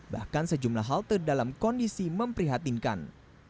bahkan sejumlah halte dalam kondisi memprihatinkan